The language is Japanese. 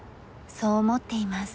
そう思っています。